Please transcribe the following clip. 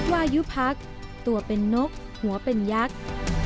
วายุพักตัวเป็นนกหัวเป็นยักษ์